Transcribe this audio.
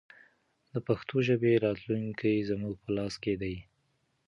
د پښتو ژبې راتلونکی زموږ په لاس کې دی.